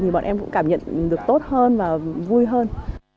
thì bọn em cũng cảm nhận được tốt hơn và vui hơn